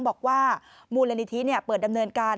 บอกว่ามูลนิธิเปิดดำเนินการ